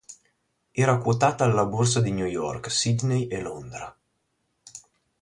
Era quotata alla borsa di New York, Sydney e Londra.